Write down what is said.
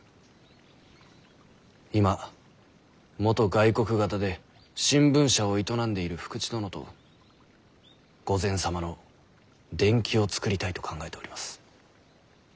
今元外国方で新聞社を営んでいる福地殿と御前様の伝記を作りたいと考えております。